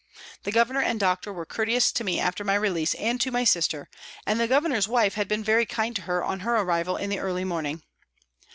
The Governor and doctor were courteous to me after my release and to my sister, and the Governor's wife had been very kind to her on her arrival in the early morning.